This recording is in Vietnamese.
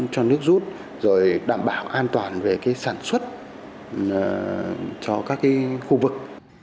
cho nước rút rồi đảm bảo an toàn về sản xuất cho các khu vực